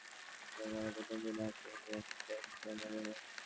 নারায়ণগঞ্জ থেকে মেয়েকে নিয়ে বইমেলার প্রথম দিনে আসেন গৃহিণী সৈয়দা শবনম রহমান।